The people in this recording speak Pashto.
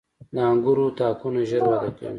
• د انګورو تاکونه ژر وده کوي.